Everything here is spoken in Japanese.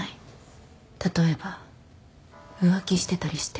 例えば浮気してたりして。